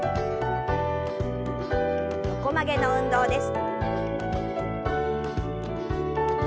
横曲げの運動です。